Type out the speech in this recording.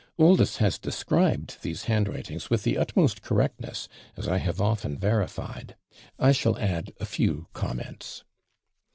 Oldys has described these handwritings with the utmost correctness, as I have often verified. I shall add a few comments.